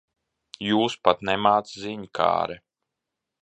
Jūs pat nemāc ziņkāre.